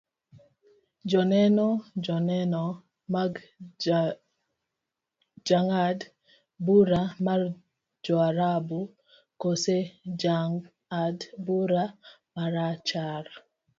joneno, joneno mag jang'ad bura mar joarabu kose jang'ad bura marachar